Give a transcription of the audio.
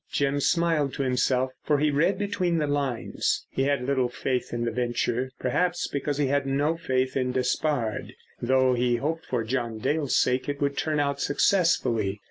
Jim smiled to himself, for he read between the lines. He had little faith in the venture, perhaps, because he had no faith in Despard, though he hoped for John Dale's sake it would turn out successfully.